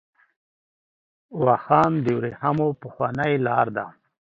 واخان د ورېښمو پخوانۍ لار ده .